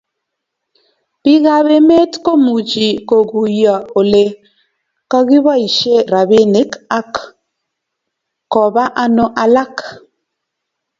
piik ab emet ko muchi koguyo ole kakiboishe rabinik ak koba ano alak